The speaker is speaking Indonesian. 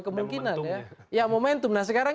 kemungkinan ya ya momentum nah sekarang